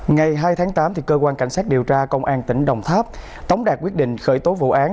ngày hai tháng tám cơ quan cảnh sát điều tra công an tỉnh đồng tháp tống đạt quyết định khởi tố vụ án